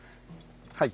はい。